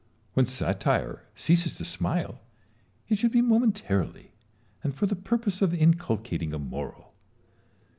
When satire ceases to smile, it should be momentarily, and for the purpose of inculcating a moral.